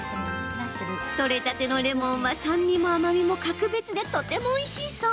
取れたてのレモンは酸味も、甘みも格別でとてもおいしいそう。